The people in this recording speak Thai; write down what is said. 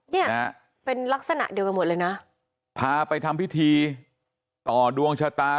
เนี่ยเป็นลักษณะเดียวกันหมดเลยนะพาไปทำพิธีต่อดวงชะตา